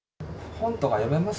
本とか読めます？